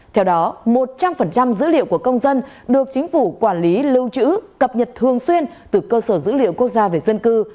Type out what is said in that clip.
theo đó một trăm linh dữ liệu của công dân được chính phủ quản lý lưu trữ cập nhật thường xuyên từ cơ sở dữ liệu quốc gia về dân cư